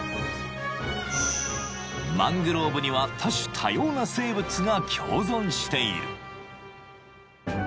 ［マングローブには多種多様な生物が共存している］